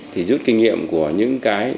thì rút kinh nghiệm của những cái